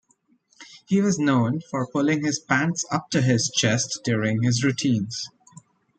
He was known for pulling his pants up to his chest during his routines.